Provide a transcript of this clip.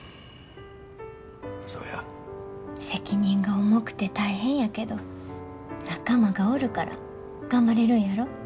責任が重くて大変やけど仲間がおるから頑張れるんやろ。